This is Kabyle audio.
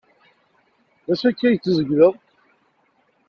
D acu akka ay tzegleḍ?